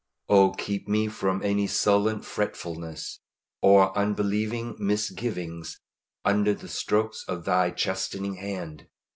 Oh keep me from any sullen fretfulness, or unbelieving misgivings, under the strokes of Thy chastening hand.